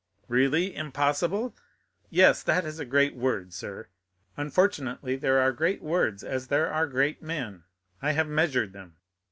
"Really impossible! Yes—that is a great word, sir. Unfortunately, there are great words, as there are great men; I have measured them.